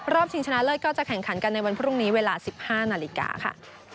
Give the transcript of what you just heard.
ชิงชนะเลิศก็จะแข่งขันกันในวันพรุ่งนี้เวลา๑๕นาฬิกาค่ะ